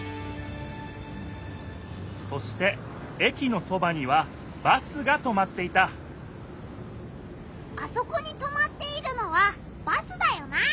そしてえきのそばにはバスがとまっていたあそこにとまっているのはバスだよな！